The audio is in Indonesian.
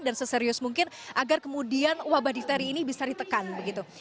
dan seserius mungkin agar kemudian wabah difteri ini bisa ditekan begitu